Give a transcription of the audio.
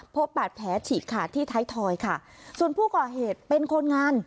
พบบาดแผลฉีกขาดที่ท้ายทอยค่ะส่วนผู้ก่อเหตุเป็นคนงาน